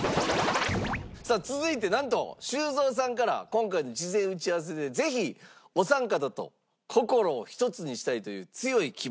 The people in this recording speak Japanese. さあ続いてなんと修造さんから今回の事前打ち合わせでぜひお三方と心をひとつにしたいという強い希望があったそうです。